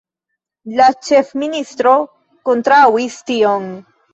La ĉefministro kontraŭis tion.